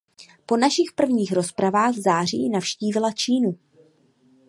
Po našich prvních rozpravách v září navštívila Čínu.